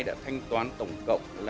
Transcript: đã thanh toán tổng cộng là